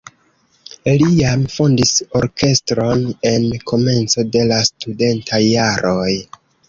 Li jam fondis orkestron en komenco de la studentaj jaroj.